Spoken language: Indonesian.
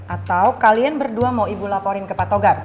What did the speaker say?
atau kalian berdua mau ibu laporin ke pak togar